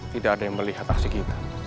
tidak ada yang melihat aksi kita